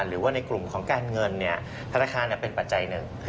หรือว่าในกลุ่มของการเงินธนาคารเป็นปัจจัยหนึ่ง